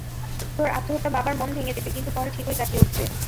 তোর আত্মহত্যা বাবার মন ভেঙে দেবে, কিন্তু পরে ঠিকই কাটিয়ে উঠবে।